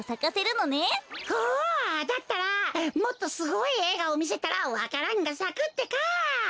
おおだったらもっとすごいえいがをみせたらわか蘭がさくってか。